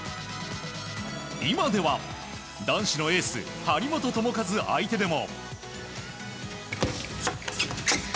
今では男子のエース張本智和相手でも。